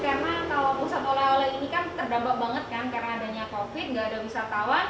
karena kalau pusat oleh oleh ini kan terdampak banget kan karena adanya covid nggak ada wisatawan